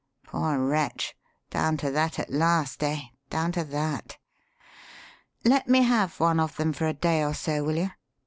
Poor wretch! Down to that at last, eh? down to that! Let me have one of them for a day or so, will you?